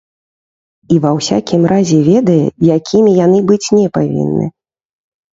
І ва ўсякім разе ведае, якімі яны быць не павінны.